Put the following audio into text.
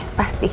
terima kasih ya